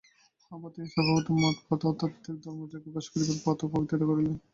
আবার তিনিই সর্বপ্রথম মঠপ্রথা অর্থাৎ এক ধর্মসঙ্ঘে বাস করিবার প্রথা প্রবর্তিত করিলেন।